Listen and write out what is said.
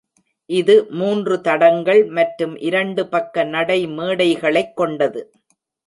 இது மூன்று தடங்கள் மற்றும் இரண்டு பக்க நடைமேடைகளைக் கொண்டது.